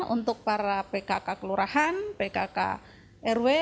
untuk para pkk kelurahan pkk rw